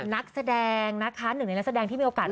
นักแสดงนะคะหนึ่งในนักแสดงที่มีโอกาส